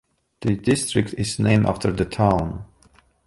The district is named after the town.